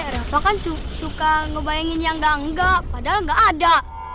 eropa kan suka ngebayangin yang enggak enggak padahal nggak ada